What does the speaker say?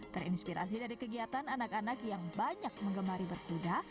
terinspirasi dari kegiatan anak anak yang banyak mengemari berkuda